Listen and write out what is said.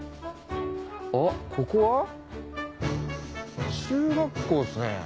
あっここは中学校ですね。